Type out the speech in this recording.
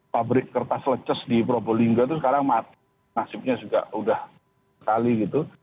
fabrik kertas leces di probolingga itu sekarang nasibnya juga udah sekali gitu